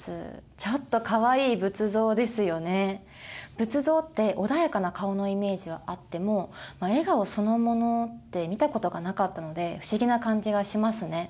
仏像って穏やかな顔のイメージはあっても笑顔そのものって見たことがなかったので不思議な感じがしますね。